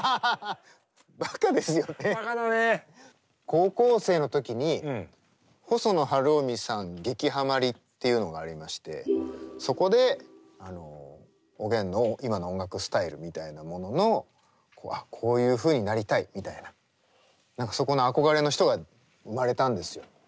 高校生の時に細野晴臣さん激はまりっていうのがありましてそこでおげんの今の音楽スタイルみたいなものの「こういうふうになりたい」みたいなそこの憧れの人が生まれたんですよ。